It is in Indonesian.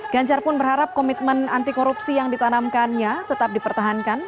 ganjar pun berharap komitmen anti korupsi yang ditanamkannya tetap dipertahankan